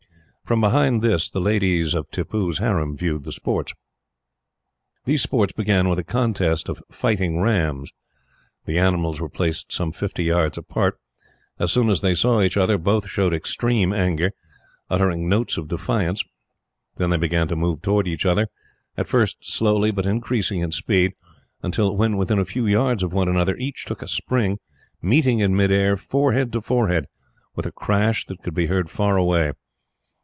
From behind this, the ladies of Tippoo's harem viewed the sports. These began with a contest of fighting rams. The animals were placed some fifty yards apart. As soon as they saw each other, both showed extreme anger, uttering notes of defiance. Then they began to move towards each other, at first slowly, but increasing in speed until, when within a few yards of one another, each took a spring, meeting in mid air, forehead to forehead, with a crash that could be heard far away.